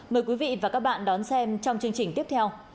mời quý vị và các bạn đón xem trong chương trình tiếp theo